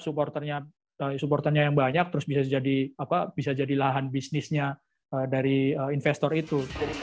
supporternya yang banyak terus bisa jadi lahan bisnisnya dari investor itu